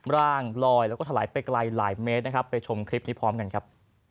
ร่างลอยแล้วก็ถลายไปไกลหลายเมตรนะครับไปชมคลิปนี้พร้อมกันครับ